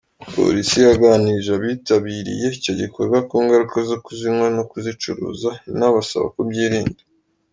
Polisi yaganirije abitabiriye icyo gikorwa ku ngaruka zo kuzinywa no kuzicuruza, inabasaba kubyirinda.